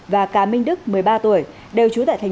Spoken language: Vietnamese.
và cà minh đức một mươi ba tuổi đều trú tại tp nha trang